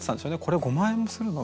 「これ五万円もするの？」